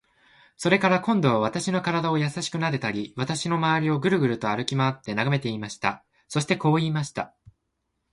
それから、今度は私の身体をやさしくなでたり、私のまわりをぐるぐる歩きまわって眺めていました。そしてこう言いました。